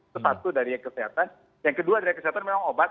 sepatuh dari kesehatan yang kedua dari kesehatan memang obat